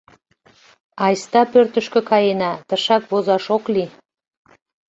Айста пӧртышкӧ каена: тышак возаш ок лий.